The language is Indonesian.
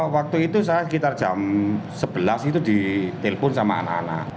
waktu itu saya sekitar jam sebelas itu ditelepon sama anak anak